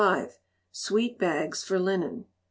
Sweet Bags for Linen.